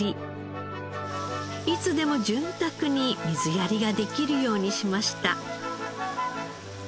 いつでも潤沢に水やりができるようにしました。